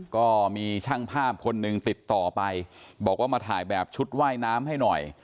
ก็มีช่างภาพคนหนึ่งติดต่อไปบอกว่ามาถ่ายแบบชุดว่ายน้ำให้หน่อย